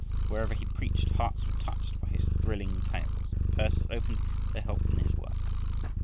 Wherever he preached hearts were touched by his thrilling tales, and purses opened to help in his work.